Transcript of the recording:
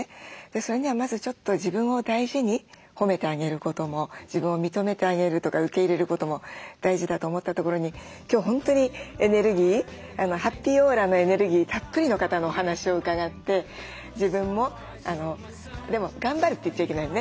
それにはまずちょっと自分を大事に褒めてあげることも自分を認めてあげるとか受け入れることも大事だと思ったところに今日本当にハッピーオーラのエネルギーたっぷりの方のお話を伺って自分もでも「頑張る」って言っちゃいけないのね。